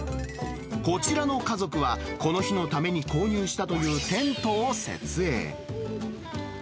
こちらの家族は、この日のために購入したというテントを設営。